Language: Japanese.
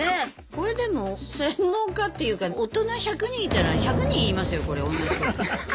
これでも専門家っていうか大人１００人いたら１００人言いますよこれおんなじこと。